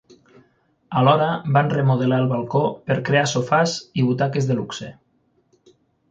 Alhora van remodelar el balcó per crear sofàs i butaques de luxe.